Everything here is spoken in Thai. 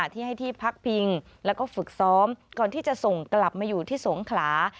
ที่ให้ที่พักพิงแล้วก็ฝึกซ้อมก่อนที่จะส่งกลับมาอยู่ที่สงขลา